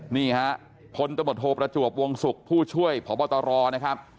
นี่ฮะพลตมธโภประจวบวงสุขผู้ช่วยผอบตรนะครับ